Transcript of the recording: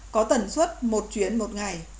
có tần suốt một chuyến một ngày